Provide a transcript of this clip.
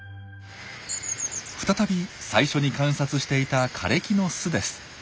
再び最初に観察していた枯れ木の巣です。